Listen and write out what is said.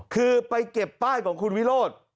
คือไปเก็บป้ายของคุณวิโรธ